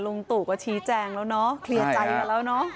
ลุงตู่ก็ชี้แจงแล้วเนาะเคลียร์ใจกันแล้วเนอะ